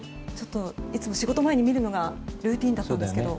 いつも仕事前に見るのがルーティンだったんですけど。